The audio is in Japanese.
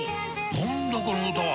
何だこの歌は！